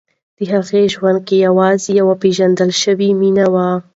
د هغې ژوند کې یوازې یوه پېژندل شوې مینه وه.